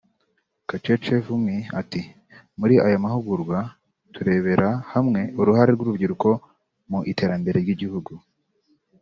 Kacheche Vumi ati “Muri aya mahugurwa turebera hamwe uruhare rw’urubyiruko mu iterambere ry’igihugu